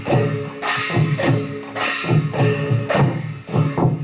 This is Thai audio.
ผู้หญิงดูเท่าะ